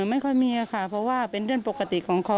ไม่ค่อยมีค่ะเพราะว่าเป็นเรื่องปกติของเขา